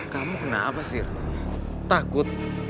kamu kenapa sir takut